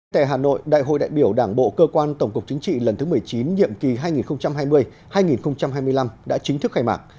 tại hà nội đại hội đại biểu đảng bộ cơ quan tổng cục chính trị lần thứ một mươi chín nhiệm kỳ hai nghìn hai mươi hai nghìn hai mươi năm đã chính thức khai mạc